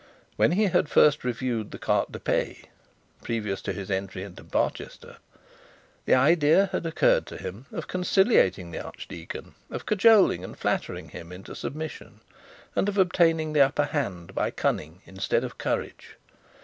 When he had first reviewed the carte de pays, previous to his entry into Barchester, the idea had occurred to him of conciliating the archdeacon, of cajoling and flattering him into submission, and of obtaining the upper hand by cunning instead of courage.